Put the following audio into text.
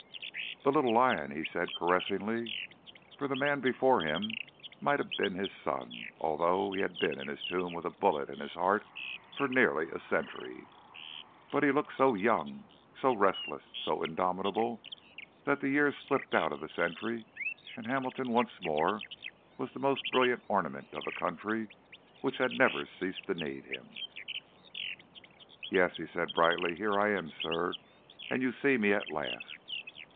"The little lion," he said caressingly, for the man before him might have been his son, although he had been in his tomb with a bullet in his heart for nearly a century. But he looked so young, so restless, so indomitable, that the years slipped out of the century, and Hamilton once more was the most brilliant ornament of a country which had never ceased to need him. "Yes," he said brightly, "here I am, sir, and you see me at last.